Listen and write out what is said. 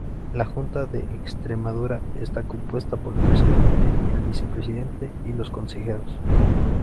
La Junta de Extremadura está compuesta por el Presidente, el Vicepresidente y los consejeros.